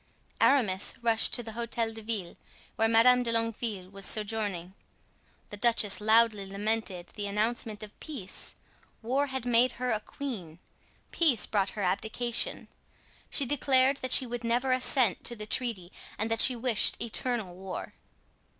Aramis rushed to the Hotel de Ville, where Madame de Longueville was sojourning. The duchess loudly lamented the announcement of peace. War had made her a queen; peace brought her abdication. She declared that she would never assent to the treaty and that she wished eternal war.